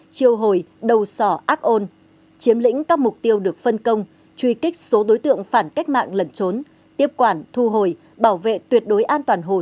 triều hồi đầu sỏ ác ôn chiếm lĩnh các mục tiêu được phân công truy kích số đối tượng phản cách mạng lẩn trốn tiếp quản thu hồi bảo vệ tuyệt đối an toàn hồ